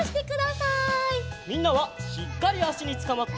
みんなはしっかりあしにつかまって！